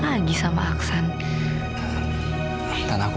ya jadi faitnya hungry